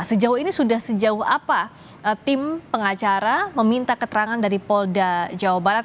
sejauh ini sudah sejauh apa tim pengacara meminta keterangan dari polda jawa barat